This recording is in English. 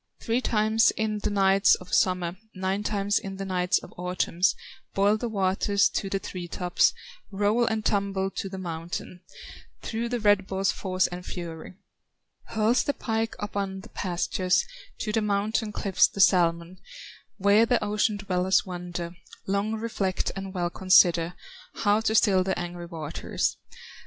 "Three times in the nights of summer, Nine times in the nights of autumn, Boil the waters to the tree tops, Roll and tumble to the mountain, Through the red ball's force and fury; Hurls the pike upon the pastures, To the mountain cliffs, the salmon, Where the ocean dwellers wonder, Long reflect and well consider How to still the angry waters.